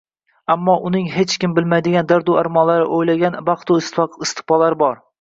Ammo uning hech kim bilmaydigan dardu armonlari, o‘ylanmagan baxtu iqbollari bor